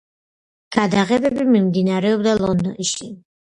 გადაღებები მიმდინარეობდა ლონდონში.